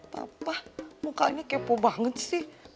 papa mukanya kepo banget sih